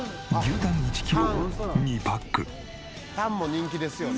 タンも人気ですよね。